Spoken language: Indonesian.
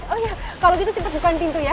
oh iya kalau gitu cepet buka pintu ya